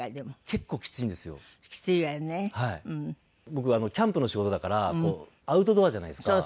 僕キャンプの仕事だからアウトドアじゃないですか。